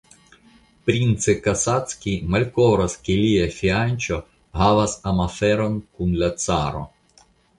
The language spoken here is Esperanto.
Prince Kasatskij malkovras ke lia fianĉo havas amaferon kun la caro.